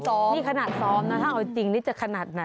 นี่ขนาดซ้อมนะถ้าเอาจริงนี่จะขนาดไหน